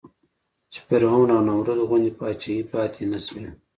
چې فرعون او نمرود غوندې پاچاهۍ پاتې نه شوې.